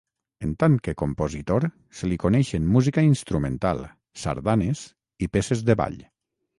En tant que compositor, se li coneixen música instrumental, sardanes i peces de ball.